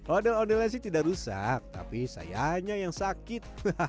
ondel ondelnya sih tidak rusak tapi sayangnya yang sakit